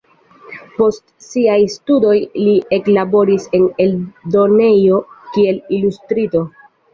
Post siaj studoj li eklaboris en eldonejo kiel ilustristo.